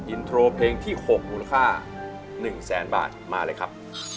อินโทรเพลงที่๖มูลค่า๑แสนบาทมาเลยครับ